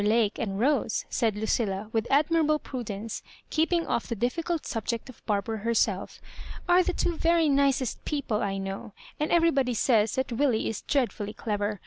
Lake and Rose," said Lu cilla, with admirable prudence, keeping off the difficult subject of Barbara herself, " are the two very nicest people I know ; and everybody says that Willie is dreadfully clever.